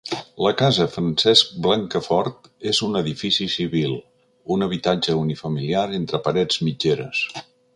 La casa Francesc Blancafort és un edifici civil, un habitatge unifamiliar entre parets mitgeres.